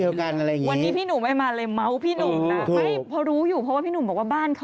วันนี้พี่หนุ่มไม่มาเลยเม้าท์พี่หนุ่มนะ